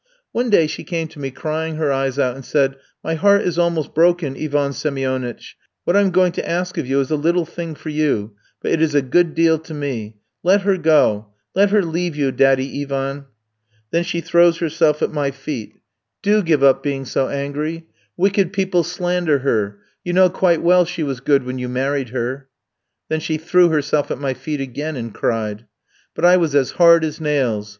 One day she came to me crying her eyes out and said: 'My heart is almost broken, Ivan Semionytch; what I'm going to ask of you is a little thing for you, but it is a good deal to me; let her go, let her leave you, daddy Ivan.' Then she throws herself at my feet. 'Do give up being so angry! Wicked people slander her; you know quite well she was good when you married her.' Then she threw herself at my feet again and cried. But I was as hard as nails.